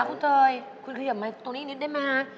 คุณเตยคุณเขียนตรงนี้อีกนิดได้ไหม